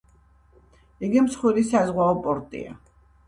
იგი მსხვილი საზღვაო პორტია.